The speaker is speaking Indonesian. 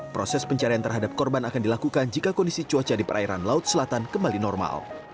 proses pencarian terhadap korban akan dilakukan jika kondisi cuaca di perairan laut selatan kembali normal